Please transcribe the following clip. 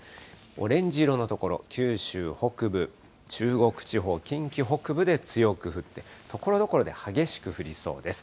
オレンジ色の所、九州北部、中国地方、近畿北部で強く降って、ところどころで激しく降りそうです。